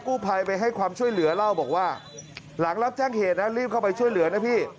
กู้ภัยไปให้ความช่วยเหลือเล่าบอกว่าหลังรับแจ้งเหตุนะรีบเข้าไปช่วยเหลือนะพี่